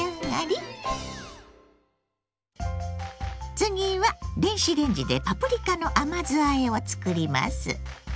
次は電子レンジでパプリカの甘酢あえを作ります。